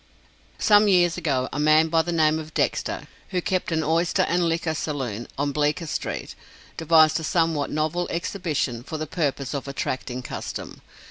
Some years ago, a man by the name of Dexter, who kept an oyster and liquor saloon on Bleecker street, devised a somewhat novel exhibition for the purpose of attracting custom.